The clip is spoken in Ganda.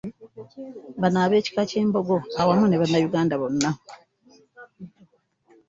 Bano ab'ekika ky'e Mbogo awamu ne Bannayuganda bonna